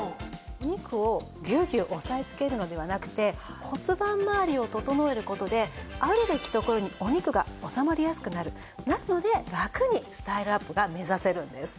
お肉をギュウギュウ押さえつけるのではなくて骨盤まわりを整える事であるべきところにお肉が収まりやすくなりなのでラクにスタイルアップが目指せるんです。